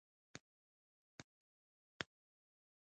ژوندي له عقل نه کار اخلي